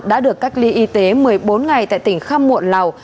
đã được cách ly y tế một mươi bốn ngày tại tỉnh khăm muộn lào